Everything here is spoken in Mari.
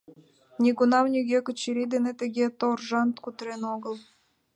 Нигунам нигӧ Качырий дене тыге торжан кутырен огыл.